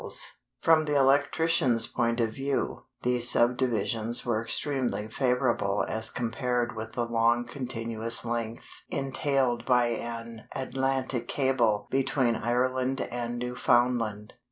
] From the electrician's point of view, these subdivisions were extremely favorable as compared with the long continuous length entailed by an Atlantic cable between Ireland and Newfoundland.